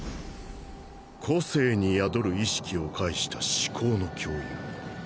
個性に宿る意識を介した思考の共有。